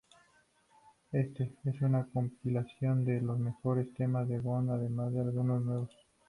Este, es una compilación de los mejores temas de Bond además de algunos nuevos.